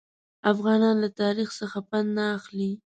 افغانان له تاریخ څخه پند نه اخلي.